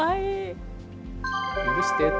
許してと。